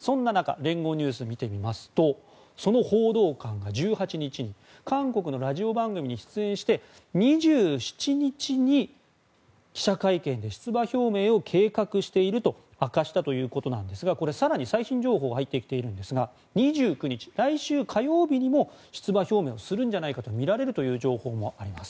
そんな中聯合ニュースを見てみますとその報道官が１８日に韓国のラジオ番組に出演して２７日に記者会見で出馬表明を計画していると明かしたということですが更に最新情報が入ってきているんですが２９日来週火曜日にも出馬表明するんじゃないかとみられるという情報もあります。